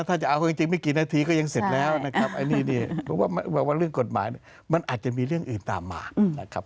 ถ้าจะเอาจริงไม่กี่นาทีก็ยังเสร็จแล้วนะครับเรื่องกฎหมายมันอาจจะมีเรื่องอื่นตามมานะครับ